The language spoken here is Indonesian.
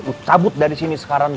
kamu cabut dari sini sekarang